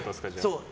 そう。